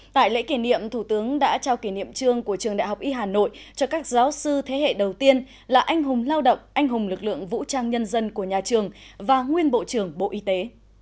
tại lễ kỷ niệm thủ tướng đã trao kỷ niệm trương của trường đại học y hà nội cho các giáo sư thế hệ đầu tiên là anh hùng lao động anh hùng lực lượng vũ trang nhân dân của nhà trường và nguyên bộ trưởng bộ y tế